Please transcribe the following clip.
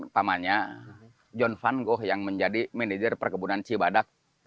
utamanya john van goh yang menjadi manajer perkebunan cibadak